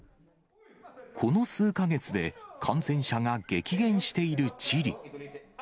この数か月で、感染者が激減しているチリ。